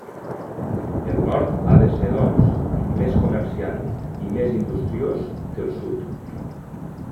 El Nord ha de ser, doncs, més comerciant i més industriós que el Sud.